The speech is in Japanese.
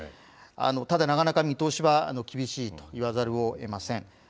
ただ、なかなか見通しは厳しいといわざるをえません。